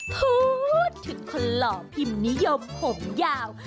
พูดถึงคนหล่อพิมพ์นิยมผมยาว